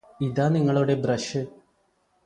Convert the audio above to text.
ഇതാ നിങ്ങളുടെ ബ്രഷ്